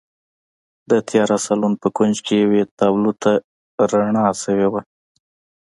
د تیاره سالون په کونج کې یوې تابلو ته رڼا شوې وه